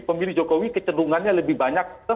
pemilih jokowi kecenderungannya lebih banyak